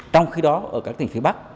trong khi đó ở các tỉnh phía bắc